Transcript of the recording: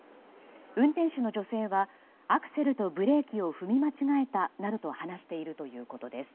運転手の女性は、アクセルとブレーキを踏み間違えたなどと話しているということです。